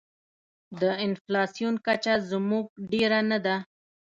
د انفلاسیون کچه زموږ ډېره نه ده.